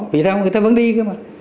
vì sao người ta vẫn đi cơ mà